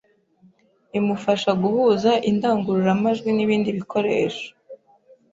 imufasha guhuza indangururamajwi n’ibindi bikoresho